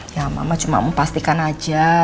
ya mama cuma pastikan aja